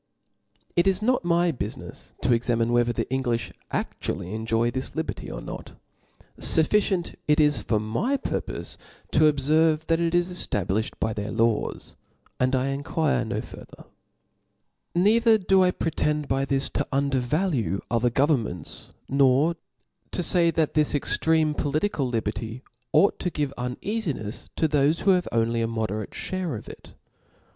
It is opt my bufinefs to examine whether the Englifli aftually enjoy this liberty, or not. Suf ficient it is for my purpofe to obferve, that it is eftablilhed by their laws j and I inquire no far ther; Neither do I pretend by this to undervalue other gevernmcms, nor to fay that this extreme politi cal liberty ought to give uneafinefs to thofe who have only a moderate (hare of it.